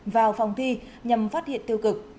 vào phòng thi nhằm phát hiện tiêu cực